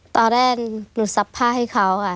ตอนแรกหนูซักผ้าให้เขาค่ะ